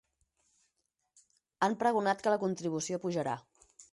Han pregonat que la contribució pujarà.